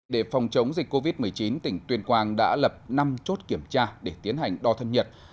để phòng chống dịch covid một mươi chín tỉnh tuyên quang đã lập năm chốt kiểm tra để tiến hành đo thân nhật